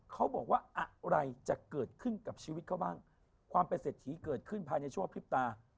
เขาบอกว่าอะไรจะเกิดขึ้นกับชีวิตเขาบ้างความเป็นเศรษฐีเกิดขึ้นภายในชั่วพริบตา